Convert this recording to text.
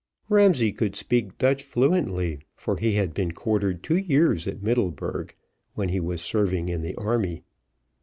Ramsay could speak Dutch fluently, for he had been quartered two years at Middleburg, when he was serving in the army.